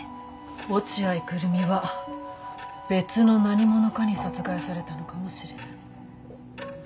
落合久瑠実は別の何者かに殺害されたのかもしれない。